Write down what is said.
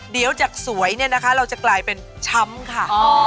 เดี๋ยวจากสวยเราจะกลายเป็นช้ำค่ะ